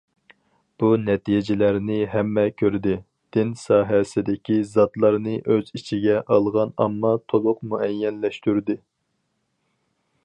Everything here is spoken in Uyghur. بۇ نەتىجىلەرنى ھەممە كۆردى، دىن ساھەسىدىكى زاتلارنى ئۆز ئىچىگە ئالغان ئامما تولۇق مۇئەييەنلەشتۈردى.